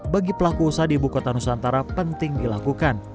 bagi pelaku usaha di ibu kota nusantara penting dilakukan